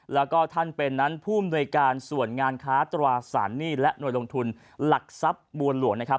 แล้วก็ท่านเป็นนั้นผู้อำนวยการส่วนงานค้าตราสารหนี้และหน่วยลงทุนหลักทรัพย์บัวหลวงนะครับ